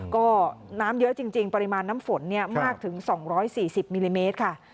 ก็น้ำเยอะจริงจริงปริมาณน้ำฝนเนี่ยมากถึงสองร้อยสี่สิบมิลลิเมตรค่ะ